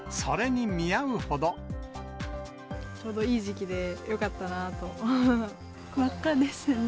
ちょうどいい時期でよかった真っ赤ですね。